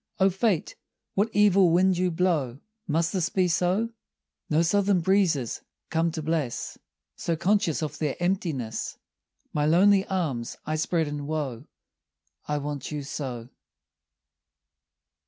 O Fate, what evil wind you blow. Must this be so? No southern breezes come to bless, So conscious of their emptiness My lonely arms I spread in woe, I want you so.